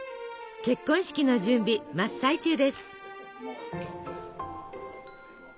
結婚式の準備真っ最中です。